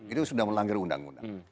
itu sudah melanggar undang undang